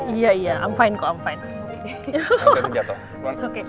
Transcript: iya iya aku baik baik saja